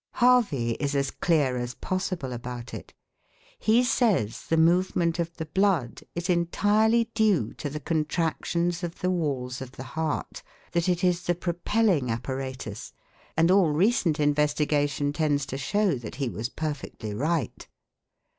Harvey is as clear as possible about it. He says the movement of the blood is entirely due to the contractions of the walls of the heart that it is the propelling apparatus and all recent investigation tends to show that he was perfectly right.